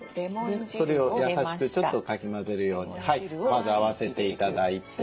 それを優しくちょっとかき混ぜるようにまず合わせて頂いて。